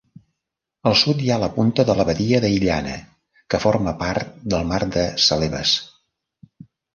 Al sud hi ha la punta de la badia d'Illana, que forma part del mar de Celebes.